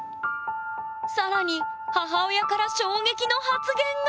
更に母親から衝撃の発言が！